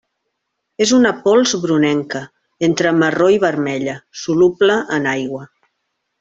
És una pols brunenca, entre marró i vermella, soluble en aigua.